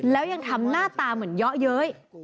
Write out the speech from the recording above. แล้วยังทำหน้าตาเหมือนเยาะเย้ย